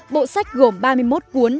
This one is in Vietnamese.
bộ sách gồm ba mươi một cuốn